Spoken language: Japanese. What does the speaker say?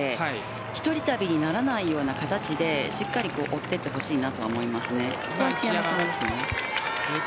１人旅にならないような形でしっかり追っていってほしいと思います。